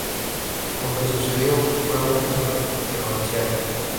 Lo que sucedió fue aún peor que lo anunciado.